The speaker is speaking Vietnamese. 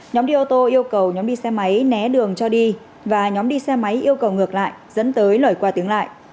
nhóm đi ô tô yêu cầu nhóm đi xe máy né đường cho đi và nhóm đi xe máy yêu cầu ngược lại dẫn tới lời qua tiếng lại